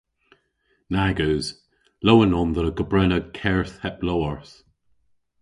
Nag eus. Lowen on dhe gobrena kerth heb lowarth.